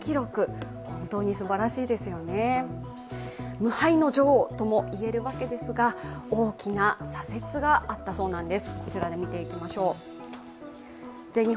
無敗の女王ともいえるわけですが、大きな挫折があったそうなんです。